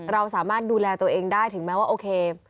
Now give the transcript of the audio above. เราสามารถดูแลตัวเองได้ถึงแม้ว่าโอเค